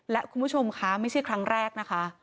และคุณผู้ชมคะไม่ใช่ครั้งแรกนะคะ